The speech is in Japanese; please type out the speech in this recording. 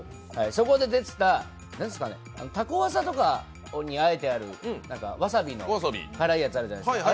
そこで出てた、たこわさとかに和えてあるわさびの辛いやつあるじゃないですか。